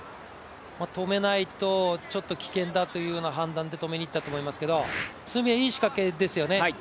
止めないとちょっと危険だというような判断で止めにいったと思いますけど角はいい仕掛けですよね。